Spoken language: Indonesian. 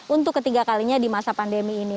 untuk ketiga kalinya di masa pandemi ini